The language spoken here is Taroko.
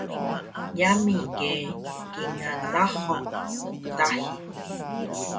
Yami ge kingal rahul qtahi